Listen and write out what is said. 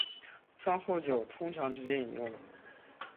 餐后酒通常直接饮用。